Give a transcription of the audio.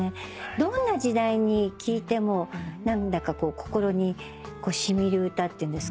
どんな時代に聴いても何だかこう心に染みる歌っていうんですか。